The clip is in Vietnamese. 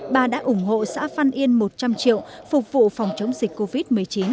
bà đã ủng hộ xã văn yên một trăm linh triệu phục vụ phòng chống dịch covid một mươi chín